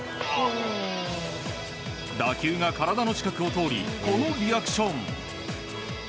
打球が体の近くを通りこのリアクション。